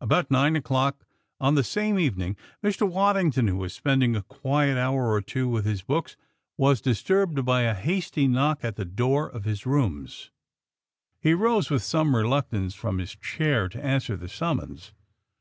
About nine o'clock on the same evening, Mr. Waddington, who was spending a quiet hour or two with his books, was disturbed by a hasty knock at the door of his rooms. He rose with some reluctance from his chair to answer the summons.